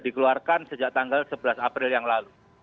dikeluarkan sejak tanggal sebelas april yang lalu